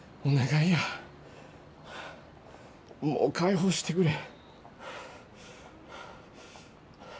お願いやもう解放してくれ。